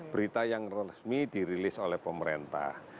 berita yang resmi dirilis oleh pemerintah